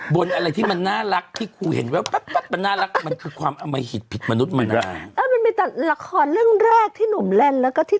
บนอะไรที่มันน่ารักที่คุณเห็นไม่ว่าปั๊บปั๊บมันน่ารัก